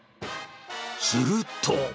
すると。